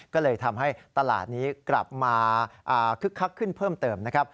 ก็เลยทำให้ตลาดนี้กลับมาคึกคักขึ้นเพิ่มเติมนะครับ